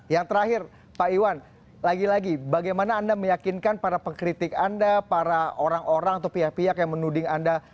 yang terakhir pak iwan lagi lagi bagaimana anda meyakinkan para pengkritik anda para orang orang atau pihak pihak yang menuding anda